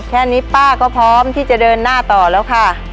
แค่นี้ป้าก็พร้อมที่จะเดินหน้าต่อแล้วค่ะ